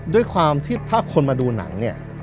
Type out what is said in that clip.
ด้วยความที่ถ้าคนมาดูหนังเนี่ย